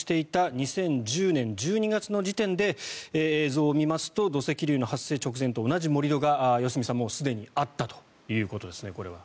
２０１０年１２月の時点で映像を見ますと土石流の発生直前と同じ盛り土が良純さん、もうすでにあったということです。